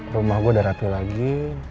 rumah gue udah rapi lagi